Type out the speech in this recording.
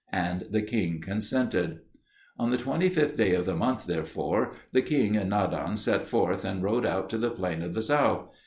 And the king consented. On the twenty fifth day of the month, therefore, the king and Nadan set forth and rode out to the plain of the south.